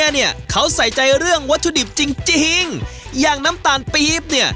เนี่ยเขาใส่ใจเรื่องวัตถุดิบจริงจริงอย่างน้ำตาลปี๊บเนี่ย